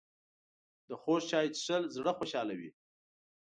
د خوږ چای څښل زړه خوشحالوي